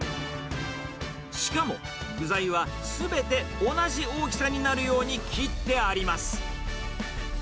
しかも具材はすべて同じ大きさになるように切ってあります。